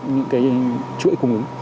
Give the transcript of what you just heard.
những cái chuỗi cung ứng